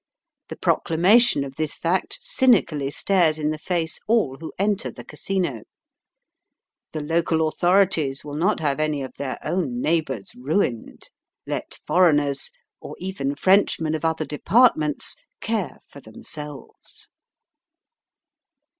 The proclamation of this fact cynically stares in the face all who enter the Casino. The local authorities will not have any of their own neighbours ruined. Let foreigners, or even Frenchmen of other departments, care for themselves.